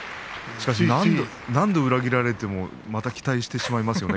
何度も裏切られてもまた期待してしまいますよね。